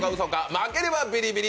負ければビリビリ！